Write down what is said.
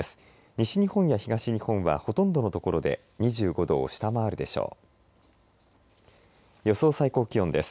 西日本や東日本はほとんどのところで２５度を下回るでしょう。